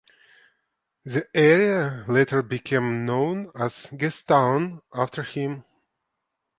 The area later became known as Gastown after him.